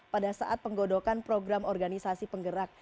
pada saat penggodokan program organisasi penggerak